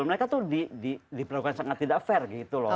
mereka tuh diperlakukan sangat tidak fair gitu loh